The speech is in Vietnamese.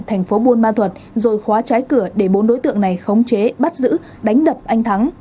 thành phố buôn ma thuật rồi khóa trái cửa để bốn đối tượng này khống chế bắt giữ đánh đập anh thắng